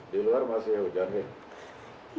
di luar masih hujan nih